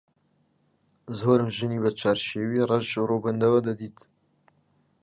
زۆرم ژنی بە چارشێوی ڕەش و ڕووبەندەوە دەدیت